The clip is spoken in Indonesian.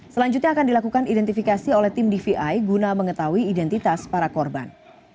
selanjutnya akan dilakukan identifikasi oleh tim dvi guna mengetahui identitas para korban